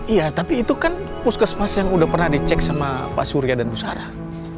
iya tapi itu kan puskesmas yang udah pernah dicek sama pak surya dan bu sarah